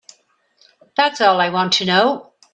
That's all I want to know.